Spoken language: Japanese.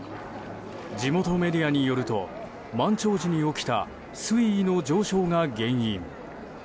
地元メディアによると満潮時に起きた水位の上昇が原因。